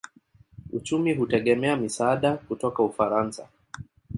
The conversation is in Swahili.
Uchumi hutegemea misaada kutoka Ufaransa.